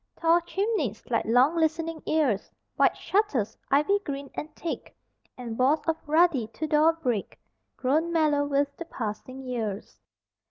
Tall chimneys, like long listening ears, White shutters, ivy green and thick, And walls of ruddy Tudor brick Grown mellow with the passing years.